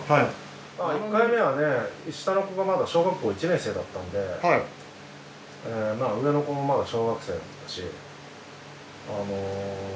１回目はね下の子がまだ小学校１年生だったので上の子もまだ小学生だったし。